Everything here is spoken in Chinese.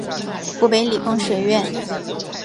湖北理工学院